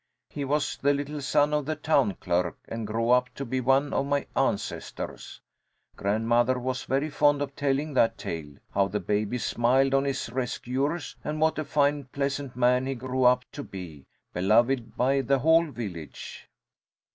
He was the little son of the town clerk, and grew up to be one of my ancestors. Grandmother was very fond of telling that tale, how the baby smiled on his rescuers, and what a fine, pleasant man he grew up to be, beloved by the whole village.